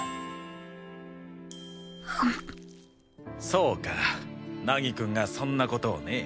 そうか凪くんがそんな事をね。